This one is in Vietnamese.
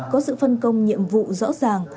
có sự phân công nhiệm vụ rõ ràng